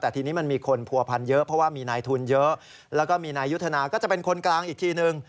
แต่ทีนี้มันมีคนผัวพันเยอะเพราะว่ามีนายทุนเยอะแล้วก็มีนายยุทธนาก็จะเป็นคนกลางอีกทีนึง